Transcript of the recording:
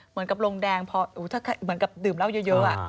เหมือนกับลงแดงพอถ้าเหมือนกับดื่มเหล้าเยอะ